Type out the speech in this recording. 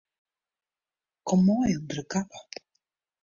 Kom mei ûnder de kappe.